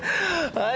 はい